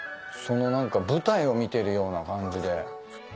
その何か舞台を見てるような感じで。